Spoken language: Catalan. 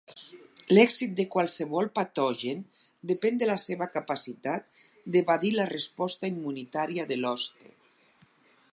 L'èxit de qualsevol patogen depèn de la seva capacitat d'evadir la resposta immunitària de l'hoste.